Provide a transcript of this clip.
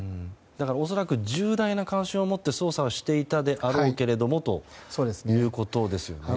恐らく重大な関心を持って捜査をしていたであろうということですよね。